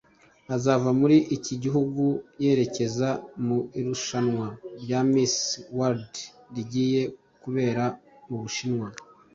azava muri iki gihugu yerekeza mu irushanwa rya Miss World rigiye kubera mu Bushinwa